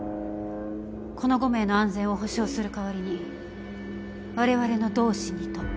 この５名の安全を保証する代わりに我々の同志にと。